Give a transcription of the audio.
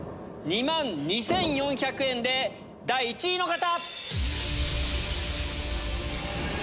２万２４００円で第１位の方！